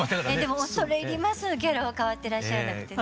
でも「恐れ入りますぅ」のキャラは変わってらっしゃらなくてね。